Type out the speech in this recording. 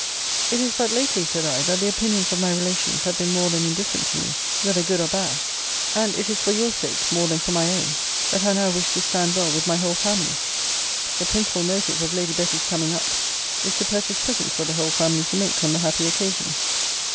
It is but lately, said I, that the opinions of my relations have been more than indifferent to me, whether good or bad; and it is for your sake, more than for my own, that I now wish to stand well with my whole family. The principal motive of Lady Betty's coming up, is, to purchase presents for the whole family to make on the happy occasion.